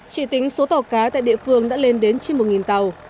chỉ tính số tàu cá tại địa phương đã lên đến trên một tàu